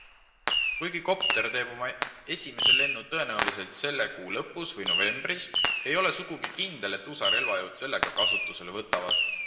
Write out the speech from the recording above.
Kuigi kopter teeb oma esimese lennu tõenäoliselt selle kuu lõpus või novembris, ei ole sugugi kindel, et USA relvajõud selle ka kasutusele võtavad.